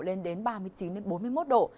lên đến ba mươi chín bốn mươi một độ